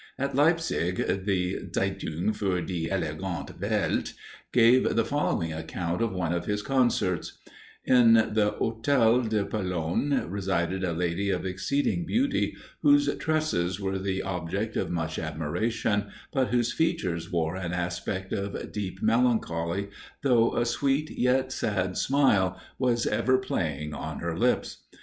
At Leipzig, the "Zeitung für die elegant Welt" gave the following account of one of his concerts: "In the Hotel de Pologne, resided a lady of exceeding beauty, whose tresses were the object of much admiration, but whose features wore an aspect of deep melancholy, though a sweet yet sad smile was ever playing on her lips.